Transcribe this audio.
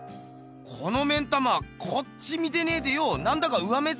この目ん玉こっち見てねえでよなんだか上目づかいだな。